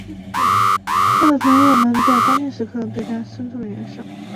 他的朋友们在关键时刻对他生出了援手。